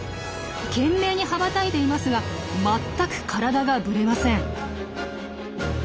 懸命に羽ばたいていますがまったく体がぶれません。